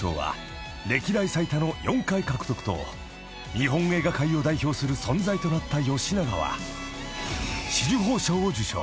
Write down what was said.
［日本映画界を代表する存在となった吉永は紫綬褒章を受章］